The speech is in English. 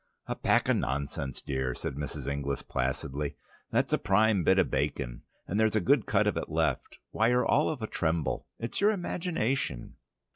"A pack o' nonsense, dear," said Mrs. Inglis placidly. "That's a prime bit of bacon, and there's a good cut of it left. Why, you're all of a tremble! It's your imagination."